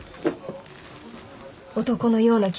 男のような気がする。